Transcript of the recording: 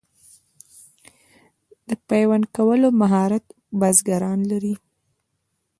د پیوند کولو مهارت بزګران لري.